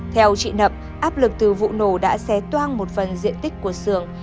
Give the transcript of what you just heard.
theo chị nậm áp lực từ vụ nổ đã xé toan một phần diện tích của sưởng